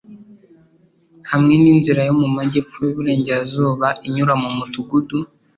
hamwe n'inzira yo mu majyepfo y'iburengerazuba inyura mu mudugudu .